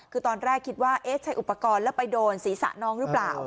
คือตอนแรกคิดว่าเอ๊ะใช้อุปกรณ์แล้วไปโดนศีรษะน้องหรือเปล่า